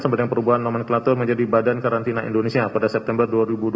sebagai perubahan nomenklatur menjadi badan karantina indonesia pada september dua ribu dua puluh